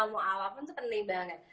mau apa pun itu penting banget